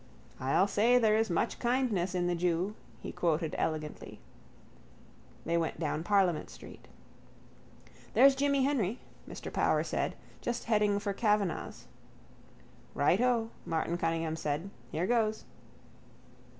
—I'll say there is much kindness in the jew, he quoted, elegantly. They went down Parliament street. —There's Jimmy Henry, Mr Power said, just heading for Kavanagh's. —Righto, Martin Cunningham said. Here goes.